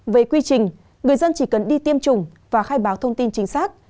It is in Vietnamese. về quy trình người dân chỉ cần đi tiêm chủng và khai báo thông tin chính xác